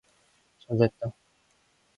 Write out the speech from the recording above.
잘 됐다.